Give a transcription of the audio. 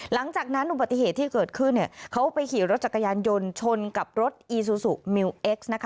หลังจากนั้นอุบัติเหตุที่เกิดขึ้นเขาไปขี่รถจักรยานยนต์ชนกับรถอีซูซูมิวเอ็กซ์นะคะ